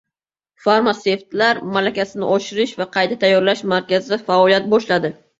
Farmatsevtlar malakasini oshirish va qayta tayyorlash markazi faoliyat boshladi